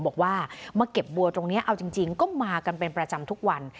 บอกว่ามาเก็บบัวตรงนี้เอาจริงก็มากันเป็นประจำทุกวัน